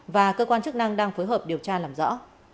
và cơ quan chức năng đang phối hợp điều tra làm rõ